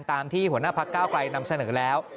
ตามที่หัวหน้าพักเก้าไกลนำเสนอแล้ว